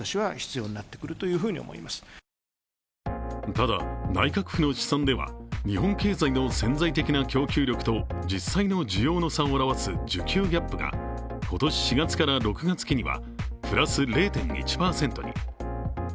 ただ、内閣府の試算では日本経済の潜在的な供給力と実際の需要の差を表す需給ギャップが今年４月から６月期には、プラス０．１％に。